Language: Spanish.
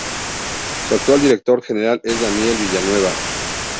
Su actual Director General es Daniel Villanueva.